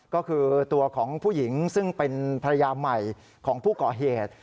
ก็คือตัวของผู้หญิงซึ่งเป็นภรรยาใหม่ของผู้ก่อเหตุ